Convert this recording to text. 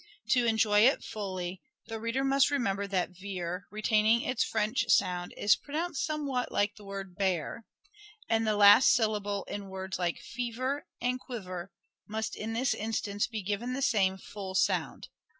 To enjoy it fully the reader must remember that " Vere," retaining its French sound, is pronounced somewhat like the word " bare," and the last syllable in words like " ieuer " and " quiver " must, in this instance, be given the same full sound.